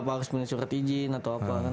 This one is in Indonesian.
apa harus punya surat izin atau apa kan